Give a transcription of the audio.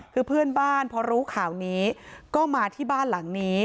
คือเพื่อนบ้านพอรู้ข่าวนี้ก็มาที่บ้านหลังนี้